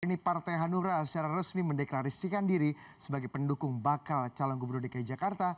kini partai hanura secara resmi mendeklarasikan diri sebagai pendukung bakal calon gubernur dki jakarta